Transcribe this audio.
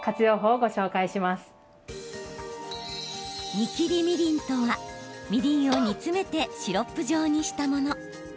煮きりみりんとはみりんを煮詰めてシロップ状にしたもの。